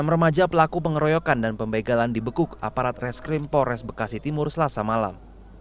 enam remaja pelaku pengeroyokan dan pembegalan dibekuk aparat reskrim polres bekasi timur selasa malam